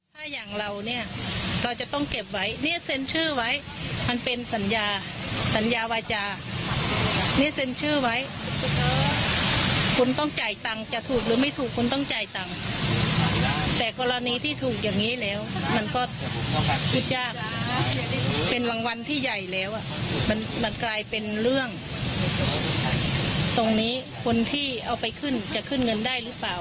มันกลายเป็นเรื่องตรงนี้คนที่เอาไปขึ้นจะขึ้นเงินได้หรือเปล่า